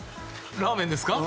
ラーメンですか？